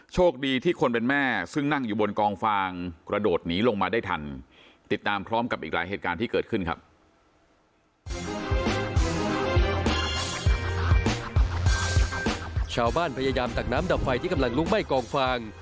โชคดีที่คนเป็นแม่ซึ่งนั่งอยู่บนกองฟาง